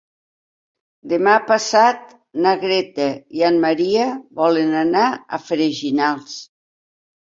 Demà passat na Greta i en Maria volen anar a Freginals.